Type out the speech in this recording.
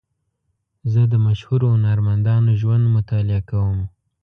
زه د مشهورو هنرمندانو ژوند مطالعه کوم.